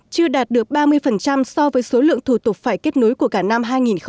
chưa đạt được ba mươi so với số lượng thủ tục phải kết nối của cả năm hai nghìn một mươi chín